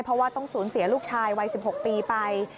เพราะว่าต้องสูญเสียลูกชายวัย๑๖ปีไป